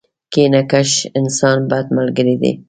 کینه کښ انسان ، بد ملګری دی.